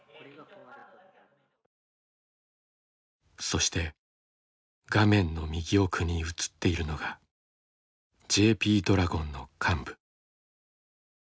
そして画面の右奥に映っているのがＪＰドラゴンの幹部。